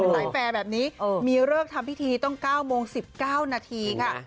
สายแฟร์แบบนี้มีเลิกทำพิธีต้อง๙โมง๑๙นาทีค่ะ